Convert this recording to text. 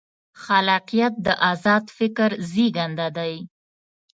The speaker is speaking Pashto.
خلاقیت د ازاد فکر زېږنده دی.